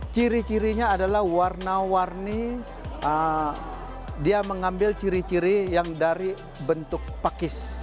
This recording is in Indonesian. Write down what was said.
ciri cirinya adalah warna warni dia mengambil ciri ciri yang dari bentuk pakis